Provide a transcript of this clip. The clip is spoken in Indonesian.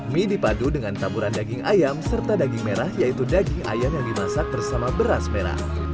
mie dipadu dengan taburan daging ayam serta daging merah yaitu daging ayam yang dimasak bersama beras merah